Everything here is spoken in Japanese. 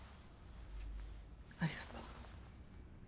ありがとう。